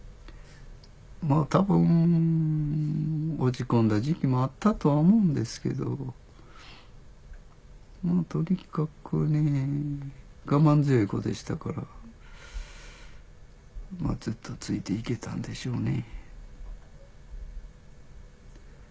多分落ち込んだ時期もあったとは思うんですけどとにかく我慢強い子でしたからずっとついて行けたんでしょうね。